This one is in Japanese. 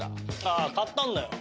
ああ買ったんだよ